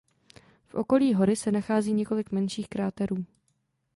V okolí hory se nachází několik menších kráterů.